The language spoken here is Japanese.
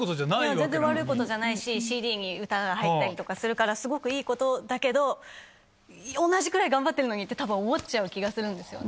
全然悪いことじゃないしＣＤに歌が入ったりとかするからすごくいいことだけど。って多分思っちゃう気がするんですよね。